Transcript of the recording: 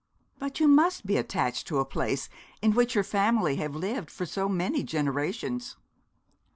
'But you must be attached to a place in which your family have lived for so many generations?'